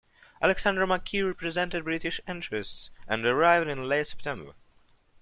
Alexander McKee represented British interests and arrived in late September.